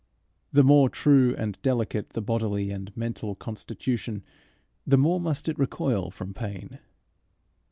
The more true and delicate the bodily and mental constitution, the more must it recoil from pain.